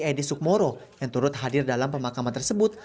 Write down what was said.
edi sukmoro yang turut hadir dalam pemakaman tersebut